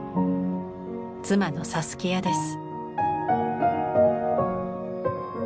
妻のサスキアです。